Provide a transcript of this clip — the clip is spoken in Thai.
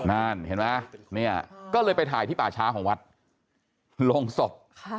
นั่นเห็นไหมเนี่ยก็เลยไปถ่ายที่ป่าช้าของวัดโรงศพ